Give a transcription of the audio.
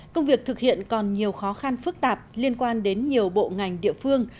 công việc thực hiện còn nhiều khó khăn phức tạp liên quan đến nhiều bộ ngành địa phương